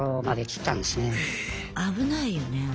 危ないよねえ。